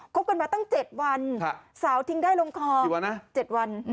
บกันมาตั้ง๗วันสาวทิ้งได้ลงคอนะ๗วัน